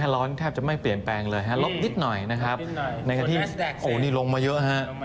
ลบนิดหน่อยนะครับโหนี่ลงมาเยอะฮะ